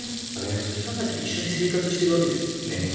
普通に考えたら一緒に生活してるわけですから。